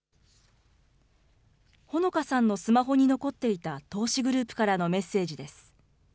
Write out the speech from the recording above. ほのかさんのスマホに残っていた投資グループからのメッセージです。